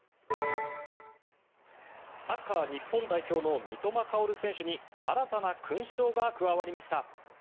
サッカー日本代表の三笘薫選手に新たな勲章が加わりました。